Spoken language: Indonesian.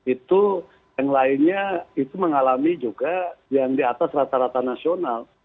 itu yang lainnya itu mengalami juga yang di atas rata rata nasional